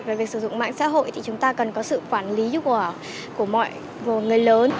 về việc sử dụng mạng xã hội thì chúng ta cần có sự quản lý giúp của mọi người lớn